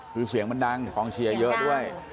คือเสียงมันดังกองเชียร์เยอะด้วย